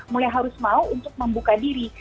mulai harus mau untuk membuka diri